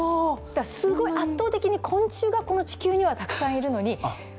すごい圧倒的に昆虫がこの地球にはたくさんいるのに。